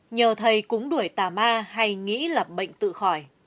nhờ thầy cúng đuổi tà ma hay nghĩ là bệnh tự khỏi